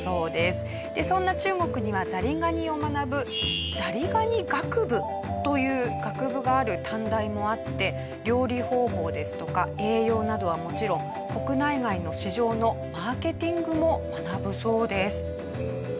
そんな中国にはザリガニを学ぶザリガニ学部という学部がある短大もあって料理方法ですとか栄養などはもちろん国内外の市場のマーケティングも学ぶそうです。